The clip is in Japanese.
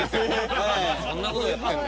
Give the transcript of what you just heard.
そんな事やってるんだ。